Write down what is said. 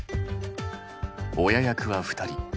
親役は２人。